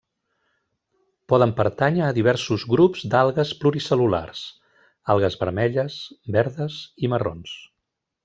Poden pertànyer a diversos grups d'algues pluricel·lulars: algues vermelles, verdes i marrons.